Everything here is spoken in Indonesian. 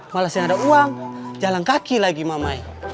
malasnya ada uang jalan kaki lagi mamai